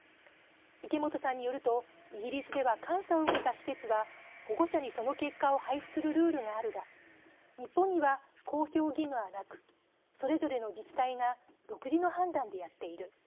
池本さんによると「イギリスでは監査を受けた施設は保護者に、その結果を配布するルールがあるが日本には公表義務はなくそれぞれの自治体が独自の判断でやっている。